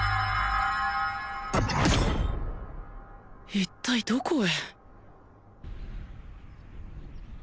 一体どこへ？